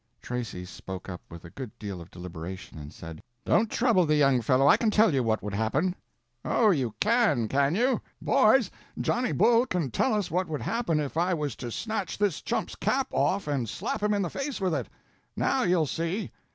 Tracy spoke up with a good deal of deliberation and said: "Don't trouble the young fellow, I can tell you what would happen." "Oh, you can, can you? Boys, Johnny Bull can tell us what would happen if I was to snatch this chump's cap off and slap him in the face with it. Now you'll see."